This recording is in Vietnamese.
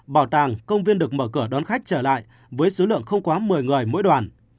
bảo tàng công viên được mở cửa đón khách trở lại với số lượng không quá một mươi người mỗi đoàn